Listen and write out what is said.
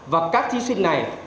và các thí sinh này